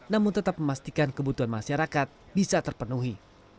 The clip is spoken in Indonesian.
namun tetap memastikan kebutuhan masyarakat bisa terpenuhi